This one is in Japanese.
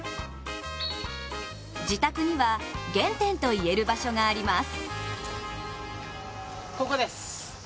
自宅には原点と言える場所があります。